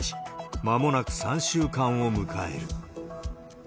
まもなく３週間を迎える。